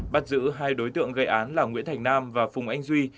bắt giữ hai đối tượng gây án là nguyễn thành nam và phùng anh duy